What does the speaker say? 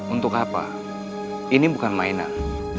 untuk apa ini bukan mainan